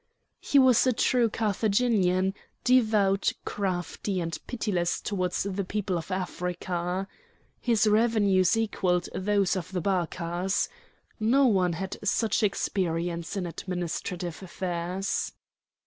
He was a true Carthaginian, devout, crafty, and pitiless towards the people of Africa. His revenues equalled those of the Barcas. No one had such experience in administrative affairs.